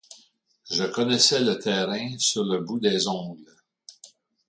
Je connaissais le terrain sur le bout des ongles.